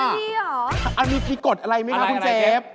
อันนี้มีพิกฎอะไรไหมครับคุณเจฟ